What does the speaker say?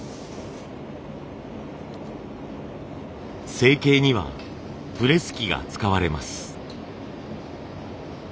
成形にはプレス機が使われます。